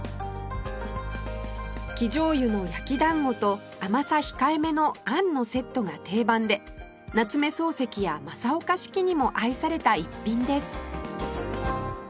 生じょうゆの焼き団子と甘さ控えめのあんのセットが定番で夏目漱石や正岡子規にも愛された逸品です